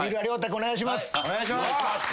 お願いします。